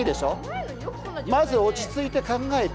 まず落ち着いて考えて。